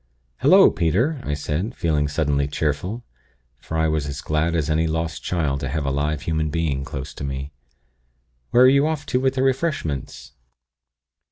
"'Hullo, Peter!' I said, feeling suddenly cheerful; for I was as glad as any lost child to have a live human being close to me. 'Where are you off to with the refreshments?'